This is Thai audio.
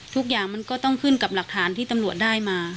ทุกอย่างมันก็ต้องขึ้นกับหลักฐานที่ตำรวจได้มา